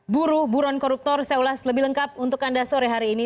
buruh buron koruptor saya ulas lebih lengkap untuk anda sore hari ini